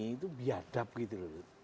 itu biadab gitu loh